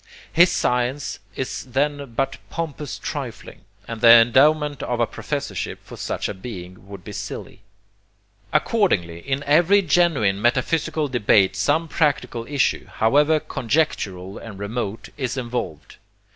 His science is then but pompous trifling; and the endowment of a professorship for such a being would be silly. Accordingly, in every genuine metaphysical debate some practical issue, however conjectural and remote, is involved.